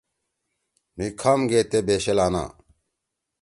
مھی کھام گے تے بیشیل آنا